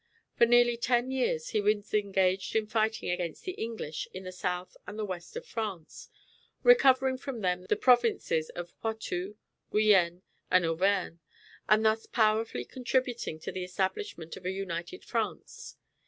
For nearly ten years he was engaged in fighting against the English in the south and the west of France, recovering from them the provinces of Poitou, Guienne, and Auvergne, and thus powerfully contributing to the establishment of a united France.